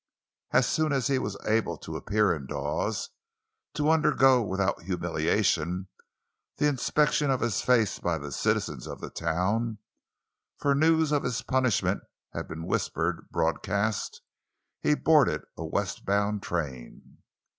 As soon as he was able to appear in Dawes—to undergo without humiliation the inspection of his face by the citizens of the town—for news of his punishment had been whispered broadcast—he boarded a westbound train.